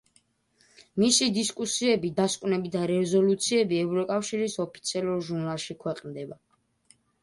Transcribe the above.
მისი დისკუსიები, დასკვნები და რეზოლუციები ევროკავშირის ოფიციალურ ჟურნალში ქვეყნდება.